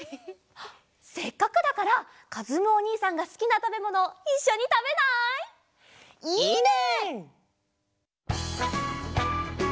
せっかくだからかずむおにいさんがすきなたべものをいっしょにたべない？いいね！